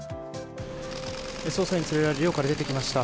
捜査員に連れられて寮から出てきました。